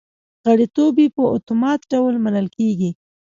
غړیتوب یې په اتومات ډول منل کېږي